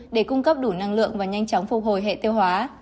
để cung cấp đủ năng lượng và nhanh chóng phục hồi hệ tiêu hóa